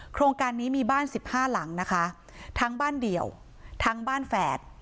โครงการนี้มีบ้านสิบห้าหลังนะคะทั้งบ้านเดี่ยวทั้งบ้านแฝด